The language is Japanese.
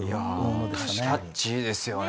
キャッチーですよね。